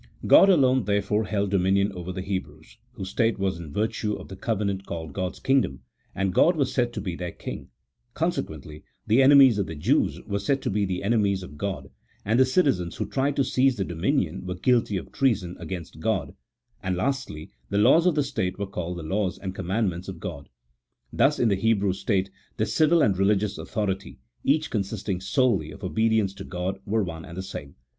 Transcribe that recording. God alone, therefore, held dominion over the Hebrews, whose state was in virtue of the covenant called God's kingdom, and God was said to be their king ; consequently the enemies of the Jews were said to be the enemies of God, and the citizens who tried to seize the dominion were guilty of treason against God ; and, lastly, the laws of the state were called the laws and commandments of God. Thus in the Hebrew state the civil and religious authority, each consisting solely of obedience to God, were one and the same.